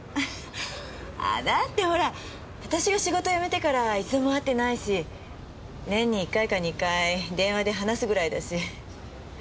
だってほら私が仕事辞めてから一度も会ってないし年に１回か２回電話で話すぐらいだし。